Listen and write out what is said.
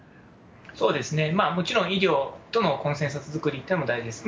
そうですね、もちろん医療とのコンセンサス作りっていうのも大事です。